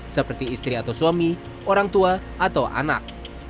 seperti istri atau suami orang tua atau anak